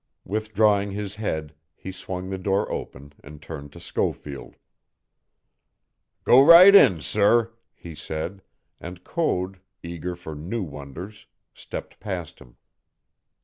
Withdrawing his head, he swung the door open and turned to Schofield. "Go right in, sir," he said, and Code, eager for new wonders, stepped past him.